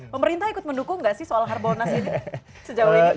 pemerintah ikut mendukung gak sih soal harbolnas sejauh ini